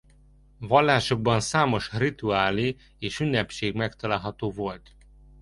Vallásukban számos rituálé és ünnepség megtalálható volt.